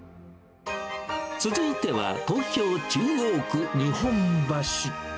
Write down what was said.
続いては、東京・中央区日本橋。